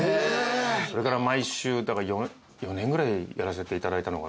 それから毎週４年ぐらいやらせていただいたのかな。